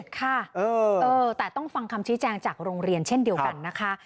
ค่ะแต่ต้องฟังคำชี้แจงจากโรงเรียนเช่นเดียวกันนะคะ